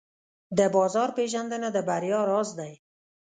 د بازار پېژندنه د بریا راز دی.